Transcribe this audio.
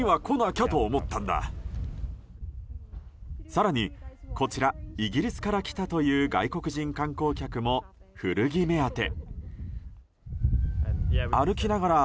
更にこちらイギリスから来たという外国人観光客も古着目当て。